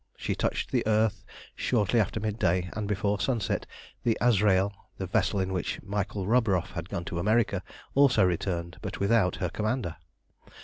She touched the earth shortly after mid day, and before sunset the Azrael, the vessel in which Michael Roburoff had gone to America, also returned, but without her commander.